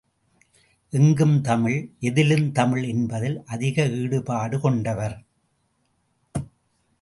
எங்கும் தமிழ், எதிலும் தமிழ் என்பதில் அதிக ஈடுபாடு கொண்டவர்.